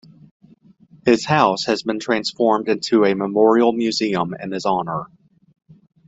His house has been transformed into a Memorial Museum in his honour.